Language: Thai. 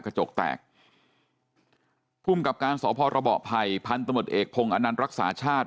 กระจกแตกภูมิกับการสรพรปภัยพันธุ์ตำลวดเอกพงษ์อนันรักษาชาติ